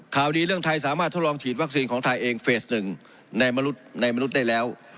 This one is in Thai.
ข่าวดีเรื่องไทยสามารถทดลองฉีดวัคซีนของไทยเองเฟสหนึ่งในมนุษย์ได้แล้ว